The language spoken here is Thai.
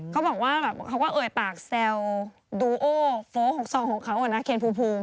เขาบอกว่าเอ่ยปากแซวดูโอโฟสองของเขานะเคนภูมิภูมิ